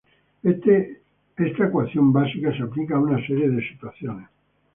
Esta ecuación básica se aplica a una serie de situaciones.